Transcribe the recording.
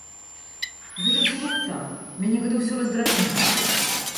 Гэта ўсё лухта, мяне гэта ўсё раздражняе!